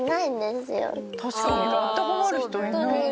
確かに当てはまる人いない。